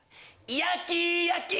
焼き焼き！